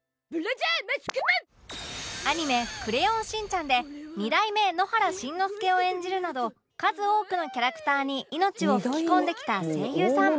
アニメ『クレヨンしんちゃん』で２代目野原しんのすけを演じるなど数多くのキャラクターに命を吹き込んできた声優さん